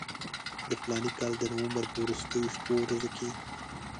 د فلاني کال د نومبر په وروستیو شپو ورځو کې.